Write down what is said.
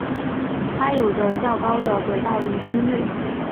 它有着较高的轨道离心率。